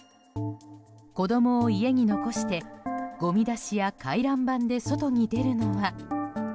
子供を家に残して、ごみ出しや回覧板で外に出るのは。